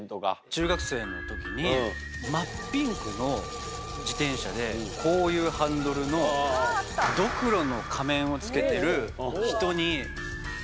中学生の時に真っピンクの自転車でこういうハンドルのドクロの仮面を着けてる人に。